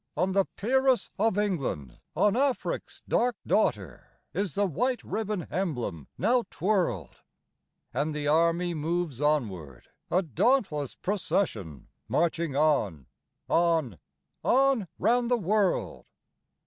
On the peeress of England, on Afric's dark daughter, Is the white ribbon emblem now twirled; And the army moves onward, a dauntless procession, Marching on, on, on round the world.